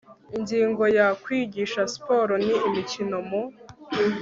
Ingingo ya Kwigisha siporo n imikino mu